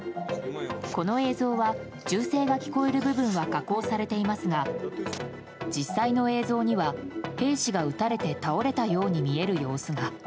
この映像は銃声が聞こえる部分は加工されていますが実際の映像には兵士が撃たれて倒れたように見える様子が。